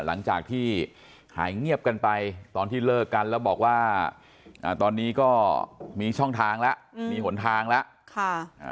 หลังจากที่หายเงียบกันไปตอนที่เลิกกันแล้วบอกว่าตอนนี้ก็มีช่องทางแล้วมีหนทางแล้ว